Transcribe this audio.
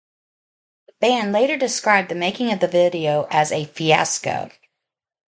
The band later described the making of the video as a "fiasco".